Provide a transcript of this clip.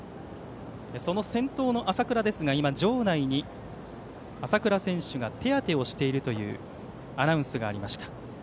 その先頭の浅倉ですが今、場内に浅倉選手が手当てをしているアナウンスがありました。